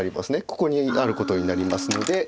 ここにあることになりますので。